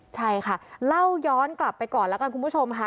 ใช่ค่ะเล่าย้อนกลับไปก่อนแล้วกันคุณผู้ชมค่ะ